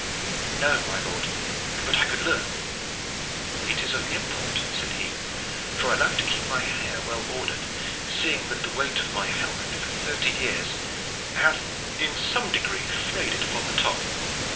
"No, my lord, but I could learn." "It is of import," said he, "for I love to keep my hair well ordered, seeing that the weight of my helmet for thirty years hath in some degree frayed it upon the top."